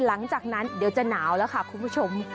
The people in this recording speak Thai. หลังจากนั้นเดี๋ยวจะหนาวแล้วค่ะคุณผู้ชม